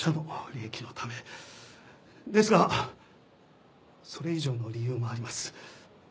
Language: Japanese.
ですがそれ以上の理由もあります。